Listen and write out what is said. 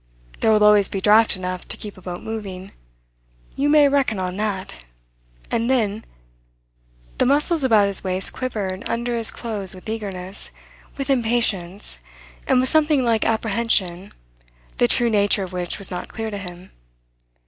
There will always be draft enough to keep a boat moving; you may reckon on that; and then " The muscles about his waist quivered under his clothes with eagerness, with impatience, and with something like apprehension, the true nature of which was not clear to him.